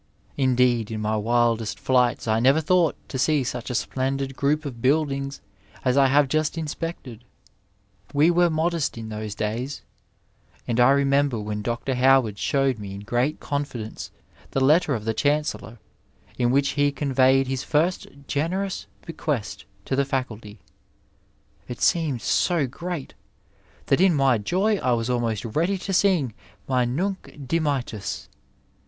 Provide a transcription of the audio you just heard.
Indeed in my wildest flights I never thought to see such a splendid group of buildings as I have just inspected. We were modest in those days, and I remember when Dr. Howard showed me in great confidence the letter of the Chancellor, in which he conveyed his first generous bequest to the Faculty, it seemed so great that in my joy I was almost ready to sing my Nunc dimittis.